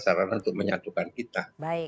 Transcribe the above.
saranan untuk menyatukan kita